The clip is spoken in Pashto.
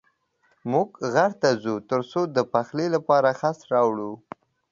موږ غره ته ځو تر څو د پخلي لپاره خس راوړو.